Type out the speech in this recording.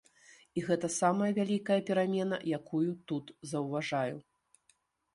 І гэта самая вялікая перамена, якую тут заўважаю.